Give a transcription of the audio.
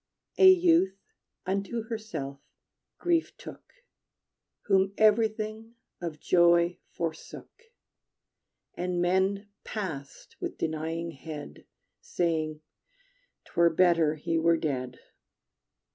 A youth unto herself Grief took, Whom everything of joy forsook, And men passed with denying head, Saying: "'T were better he were dead."